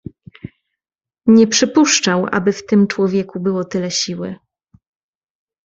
"Nie przypuszczał, aby w tym człowieku było tyle siły."